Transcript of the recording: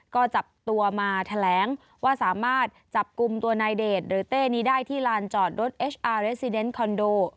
ก็จับตัวมาแถลงว่าสามารถจับกลุ่มตัวนายเดชหรือเต้นี้ได้ที่ลานจอดรถเอชอาเรสซิเดนคอนโด